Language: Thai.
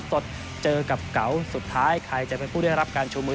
สดเจอกับเก๋าสุดท้ายใครจะเป็นผู้ได้รับการชูมือ